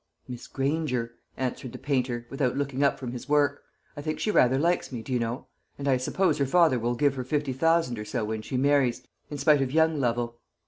"Miss Granger," answered the painter, without looking up from his work, "I think she rather likes me, do you know; and I suppose her father will give her fifty thousand or so when she marries, in spite of young Lovel.